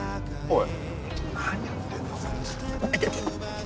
おい！